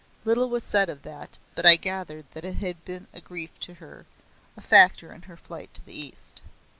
Little was said of that, but I gathered that it had been a grief to her, a factor in her flight to the East.